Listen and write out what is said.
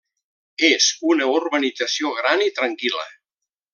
És una urbanització gran i tranquil·la.